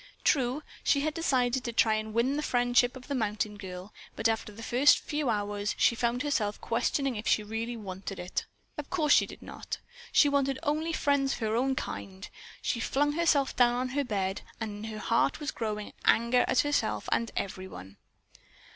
True, she had decided to try to win the friendship of the mountain girl, but after the first few hours she found herself questioning if she really wanted it. Of course she did not. She wanted only friends of her own kind. She flung herself down on her bed and in her heart was a growing anger at herself and at everyone.